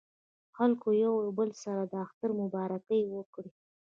خلکو یو له بل سره د اختر مبارکۍ وکړې.